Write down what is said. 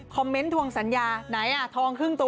เมนต์ทวงสัญญาไหนอ่ะทองครึ่งตัว